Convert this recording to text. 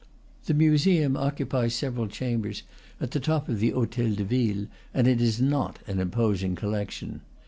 The museum occupies several chambers at the top of the hotel de ville, and is not an imposing collection.